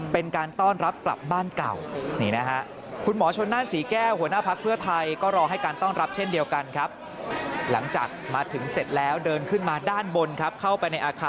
ไปในอาคารกองทัพนักข่าวเยอะมาก